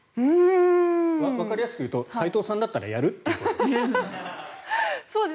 わかりやすく言うと斎藤さんだったらやる？っていうことです。